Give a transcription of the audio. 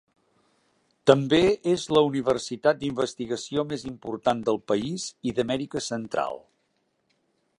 També és la universitat d'investigació més important del país i d'Amèrica Central.